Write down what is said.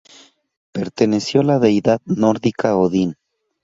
Perteneció a la Deidad Nórdica Odín.